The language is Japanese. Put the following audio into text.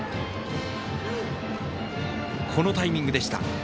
このタイミングでした。